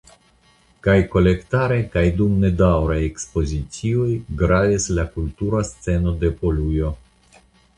Kaj kolektare kaj dum nedaŭraj ekspozicioj gravis la kultura sceno de Polujo.